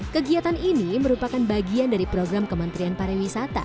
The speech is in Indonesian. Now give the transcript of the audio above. kegiatan ini merupakan bagian dari program kementerian pariwisata